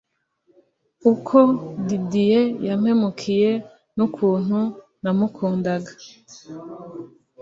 uko Didie yampemukiye nukuntu namukundaga